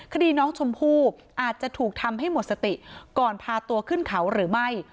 คดีน้องชมพู่อาจจะถูกทำให้หมดสติก่อนพาตัวขึ้นเขาหรือไม่